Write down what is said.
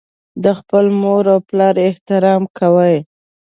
د خپل مور او پلار احترام کوي.